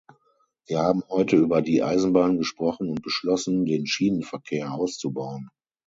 Wir haben heute über die Eisenbahn gesprochen und beschlossen, den Schienenverkehr auszubauen.